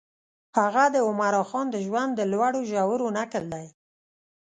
هغه د عمرا خان د ژوند د لوړو ژورو نکل دی.